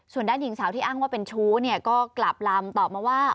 ส่วนด้านหญิงสาวที่อ้างว่าเป็นชู้เนี่ยก็กลับลำตอบมาว่า